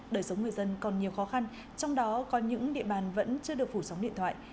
đời sống người dân còn nhiều khó khăn trong đó có những địa bàn vẫn chưa được phủ sóng điện thoại